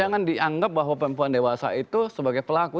jangan dianggap bahwa perempuan dewasa itu sebagai pelaku